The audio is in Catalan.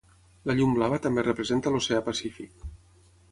La llum blava també representa l'Oceà Pacífic.